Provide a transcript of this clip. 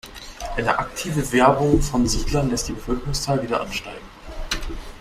Eine aktive Werbung von Siedlern lässt die Bevölkerungszahl wieder ansteigen.